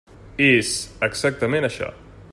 És exactament això.